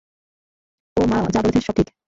ও যা বলেছে সব ঠিক।